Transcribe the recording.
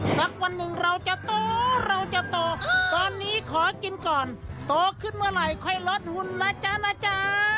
สักวันหนึ่งเราจะโตเราจะโตตอนนี้ขอกินก่อนโตขึ้นเมื่อไหร่ค่อยลดหุ่นนะจ๊ะนะจ๊ะ